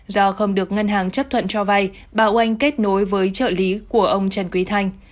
do không được ngân hàng chấp thuận cho vay bà oanh kết nối với trợ lý của ông trần quý thanh